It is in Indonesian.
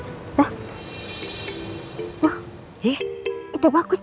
wah itu bagus tuh